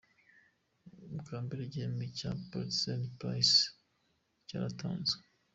Bwa mbere igihembo cya Pulitzer Prize cyaratanzwe.